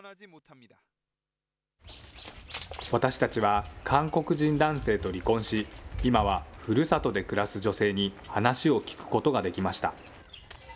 私たちは、韓国人男性と離婚し、今はふるさとで暮らす女性に話を聞くことができました。